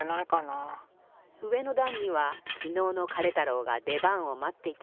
うえのだんにはきのうのカレ太郎がでばんをまっていたり。